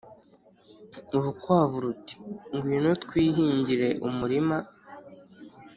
Urukwavu ruti « ngwino twihingire umurima